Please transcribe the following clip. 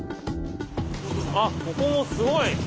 あここもすごい！